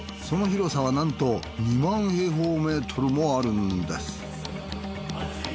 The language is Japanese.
その広さはなんと２万平方メートルもあるんです。